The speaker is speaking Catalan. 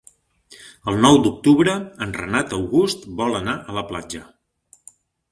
El nou d'octubre en Renat August vol anar a la platja.